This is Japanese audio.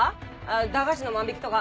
駄菓子の万引きとか？